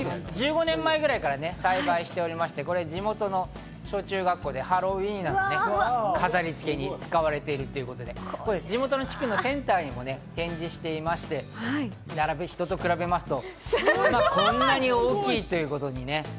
１５年前くらいから栽培しておりまして、地元の小中学校でハロウィーンなど飾り付けに使われているということで、地元の地区のセンターに展示していまして、人と比べますとこんなに大きい。